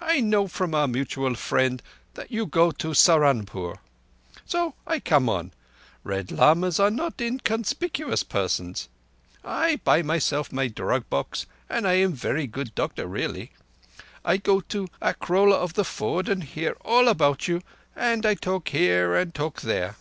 I know from our mutual friend you go to Saharunpore. So I come on. Red Lamas are not inconspicuous persons. I buy myself my drug box, and I am very good doctor really. I go to Akrola of the Ford, and hear all about you, and I talk here and talk there.